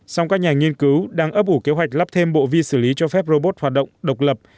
song các nhà nghiên cứu đang ấp ủ kế hoạch lắp thêm bộ vi xử lý cho phép robot hoạt động độc lập